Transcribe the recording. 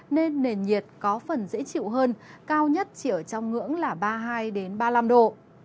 nên nền nhiệt có phần dễ chịu hơn cao nhất chỉ ở trong ngưỡng là ba mươi hai ba mươi năm độ